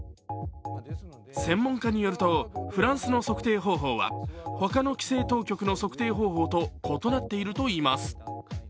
専門家によるとフランスの測定方法はほかの規制当局の測定方法と異なっているといいます。